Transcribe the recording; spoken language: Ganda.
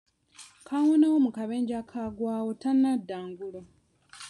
Kaawonawo mu kabenje akaakagwawo tanadda ngulu.